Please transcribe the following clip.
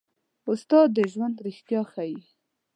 استاد د ژوند رښتیا ښيي.